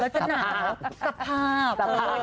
ตาภาพ